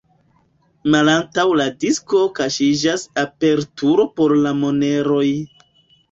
Malantaŭ la disko kaŝiĝas aperturo por la moneroj.